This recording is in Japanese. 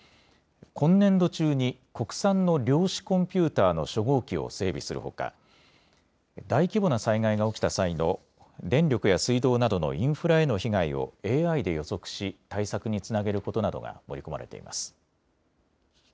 今年度中に国産の量子コンピューターの初号機を整備するほか大規模な災害が起きた際の電力や水道などのインフラへの被害をＡＩで予測し対策につなげることなどが盛り込まれています。